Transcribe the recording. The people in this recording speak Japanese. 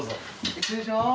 失礼します！